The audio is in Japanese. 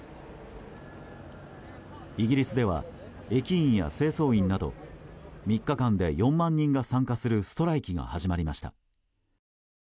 イギリスでは駅員や清掃員など３日間で４万人がストライキが始まりました。